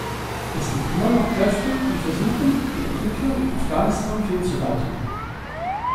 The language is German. Es gibt noch immer Kräfte, die versuchen, die Entwicklung in Afghanistan fehlzuleiten.